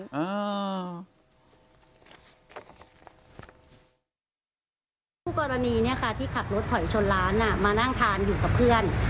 คู่กรณีเนี่ยค่ะที่ขับรถถอยชนร้านมานั่งทานอยู่กับเพื่อน